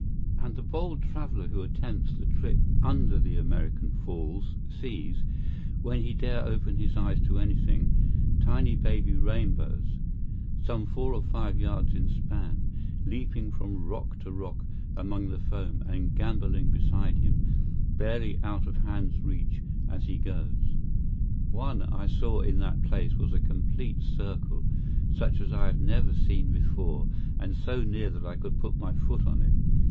And the bold traveler who attempts the trip under the American Falls sees, when he dare open his eyes to anything, tiny baby rainbows, some four or five yards in span, leaping from rock to rock among the foam, and gamboling beside him, barely out of hand's reach, as he goes. One I saw in that place was a complete circle, such as I have never seen before, and so near that I could put my foot on it.